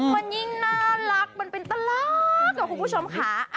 มันยิ่งน่ารักมันเป็นตลักอะคุณผู้ชมค่ะ